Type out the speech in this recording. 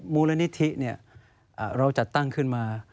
มูลนิธิเราจัดตั้งขึ้นมา